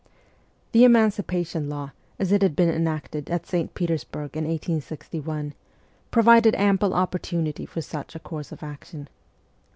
The Emancipation Law, as it had been enacted at St. Petersburg in 1861, provided ample opportunity for such a course of action.